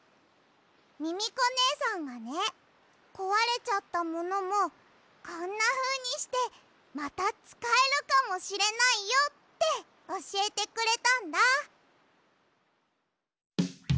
ミミコねえさんがねこわれちゃったものもこんなふうにしてまたつかえるかもしれないよっておしえてくれたんだ！